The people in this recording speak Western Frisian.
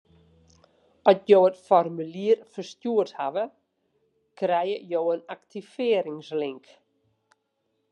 At jo it formulier ferstjoerd hawwe, krijge jo in aktivearringslink.